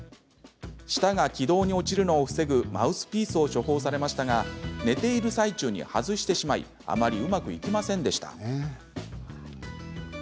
舌が気道に落ちるのを防ぐマウスピースを処方されましたが寝ている最中に外してしまいあまりうまくいきませんでした。